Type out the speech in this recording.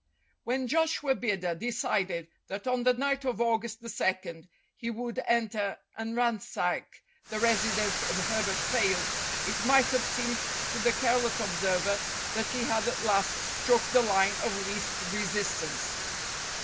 When Joshua Bidder decided that on the night of August 2. he would enter and ransack the residence of Herbert Fayle, it might have seemed to the careless observer that he had at last struck the line of least resistance.